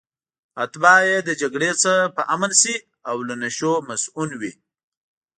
اتباع یې له جګړې څخه په امن شي او له نشو مصئون وي.